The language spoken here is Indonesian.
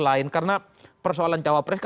lain karena persoalan cawapres